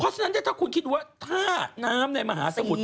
เพราะฉะนั้นถ้าคุณคิดว่าถ้าน้ำในมหาสมุทร